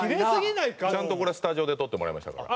ちゃんとこれスタジオで撮ってもらいましたから。